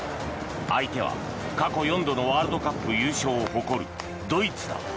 相手は過去４度のワールドカップ優勝を誇るドイツだ。